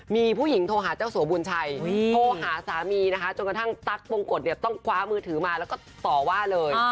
มีผู้หญิงโทรหาเจ้าสัวบุญชัยโทรหาสามีนะคะจนกระทั่งตั๊กบงกฎเนี่ยต้องคว้ามือถือมาแล้วก็ต่อว่าเลย